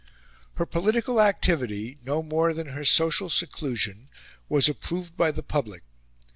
Her political activity, no more than her social seclusion, was approved by the public.